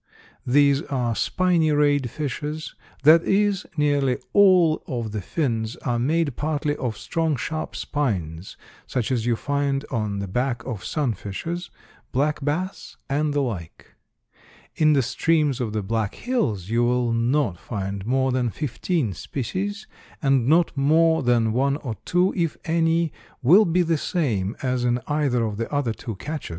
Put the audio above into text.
These are spiny rayed fishes; that is, nearly all of the fins are made partly of strong, sharp spines, such as you find on the back of sunfishes, black bass and the like. In the streams of the Black Hills you will not find more than fifteen species, and not more than one or two, if any, will be the same as in either of the other two catches.